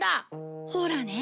ほらね。